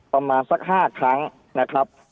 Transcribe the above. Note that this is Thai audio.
ประมาณสัก๕ครั้งนะครับ